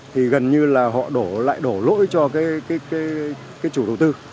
thì gần như là họ đổ lại đổ lỗi cho cái chủ đầu tư